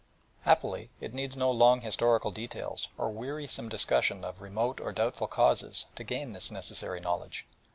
Happily, it needs no long historical details, or wearisome discussion of remote or doubtful causes to gain this necessary knowledge.